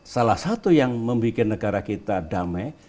salah satu yang membuat negara kita damai